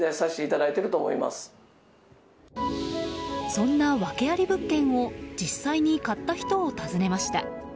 そんな訳あり物件を実際に買った人を訪ねました。